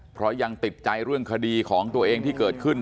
เพราะยังติดใจเรื่องคดีของตัวเองที่เกิดขึ้น